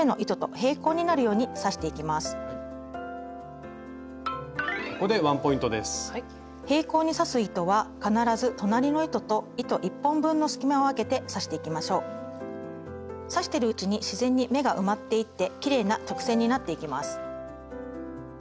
平行に刺す糸は必ず刺してるうちに自然に目が埋まっていってきれいな直線になっていきます。